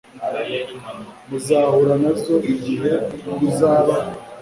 muzahura na zo igihe muzaba